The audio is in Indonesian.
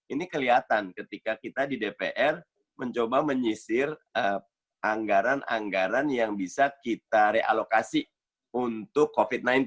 ini kelihatan ketika kita di dpr mencoba menyisir anggaran anggaran yang bisa kita realokasi untuk covid sembilan belas